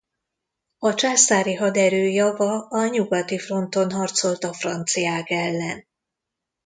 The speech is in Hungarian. A császári haderő java a nyugati fronton harcolt a franciák ellen.